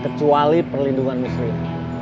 kecuali perlindungan muslim